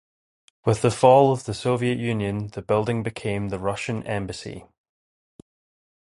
With the fall of the Soviet Union the building became the Russian embassy.